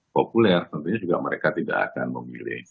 populer tentunya juga mereka tidak akan memilih